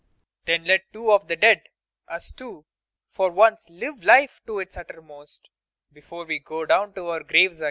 ] Then let two of the dead us two for once live life to its uttermost before we go down to our graves again!